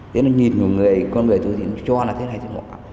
thế nên nhìn vào người con người tôi thì cho là thế này thế ngoại